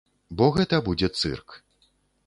Бо гэта будзе цырк.